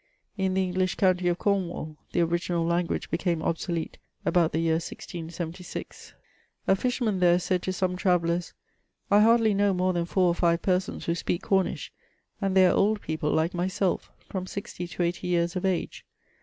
In the English county of Cornwall the original language became obsolete about the year 1676. A fisherman there said to some travellers, '^ I hardly know more than four or five persons who speak Cornish, and they are old people like myself, from sixty to eighty years of age.